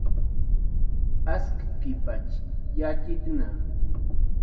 Askkipatx yatxitna